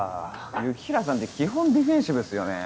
雪平さんって基本ディフェンシブっすよね。